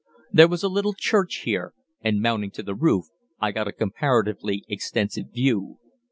There was a little church here, and, mounting to the roof, I got a comparatively extensive view.